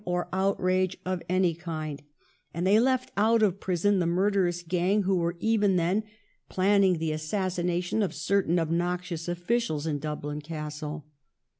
or oiurage of any kind, and they left out of prison tliL' murderous gang who were even then planning the assassination of certain obnoxious officials in Dublin Castle.